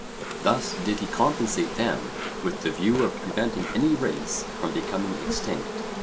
Thus did he compensate them with the view of preventing any race from becoming extinct.